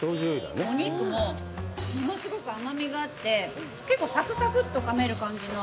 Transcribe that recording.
お肉も物すごく甘みがあって結構さくさくっとかめる感じの。